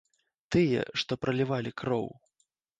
Тыя, што пралівалі кроў.